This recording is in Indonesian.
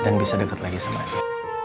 dan bisa deket lagi sama dia